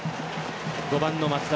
５番の松田。